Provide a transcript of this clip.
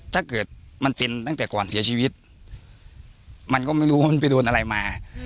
ถ้าเกิดมันเป็นตั้งแต่ก่อนเสียชีวิตมันก็ไม่รู้ว่ามันไปโดนอะไรมา